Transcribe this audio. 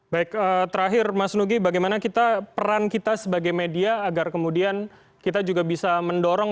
baik terakhir mas nugi bagaimana kita peran kita sebagai media agar kemudian kita juga bisa mendorong